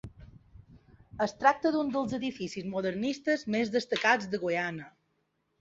Es tracta d'un dels edificis modernistes més destacats d'Agullana.